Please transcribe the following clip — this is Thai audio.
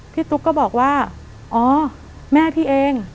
ตุ๊กก็บอกว่าอ๋อแม่พี่เอง